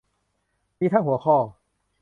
มีทั้งหัวข้อ